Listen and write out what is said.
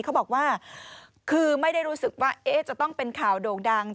เขาบอกว่าคือไม่ได้รู้สึกว่าจะต้องเป็นข่าวโด่งดัง